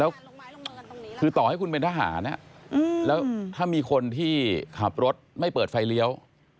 แล้วคือต่อให้คุณเป็นทหารแล้วถ้ามีคนที่ขับรถไม่เปิดไฟเลี้ยว